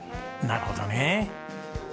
なるほどね。